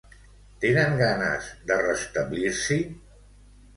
Tenen ganes de restablir-s'hi?